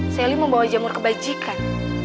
sally membawa jamur ke bajikan